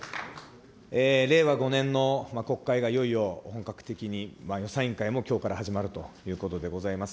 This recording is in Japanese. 令和５年の国会がいよいよ本格的に予算委員会もきょうから始まるということでございます。